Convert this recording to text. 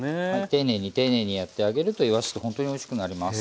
丁寧に丁寧にやってあげるといわしってほんとにおいしくなります。